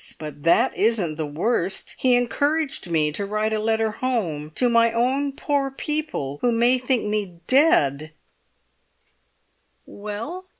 But that isn't the worst. He encouraged me to write a letter home, to my own poor people who may think me dead——" "Well?"